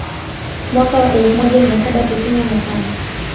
Mwaka wa elfu moja mia saba tisini na tano